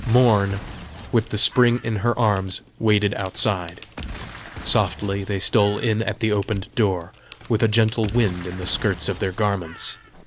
Morn, with the Spring in her arms, waited outside. Softly they stole in at the opened door, with a gentle wind in the skirts of their garments.